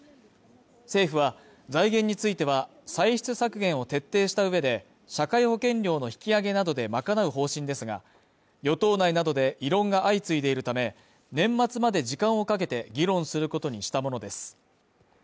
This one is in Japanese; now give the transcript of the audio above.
政府は財源については、歳出削減を徹底した上で、社会保険料の引き上げなどで賄う方針ですが、与党内などで異論が相次いでいるため、年末まで時間をかけて議論することにしたものです。